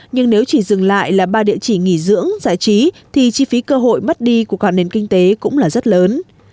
nhưng nếu chỉ dừng lại là ba địa chỉ nghỉ dưỡng giải trí thì chi phí cơ hội mất đi của cả nền kinh tế cũng là rất lớn